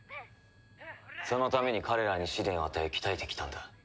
そのために彼らに試練を与え鍛えてきたんだ。